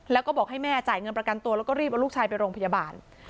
แล้วก็บอกให้แม่จ่ายเงินประกันตัวแล้วก็รีบเอาลูกชายไปโรงพยาบาล